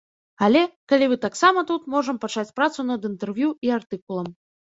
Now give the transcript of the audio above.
Але, калі вы таксама тут, можам пачаць працу над інтэрв'ю і артыкулам.